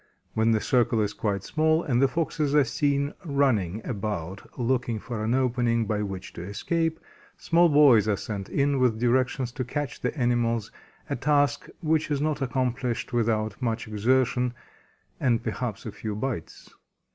When the circle is quite small, and the Foxes are seen running about looking for an opening by which to escape, small boys are sent in with directions to catch the animals, a task which is not accomplished without much exertion and perhaps a few bites.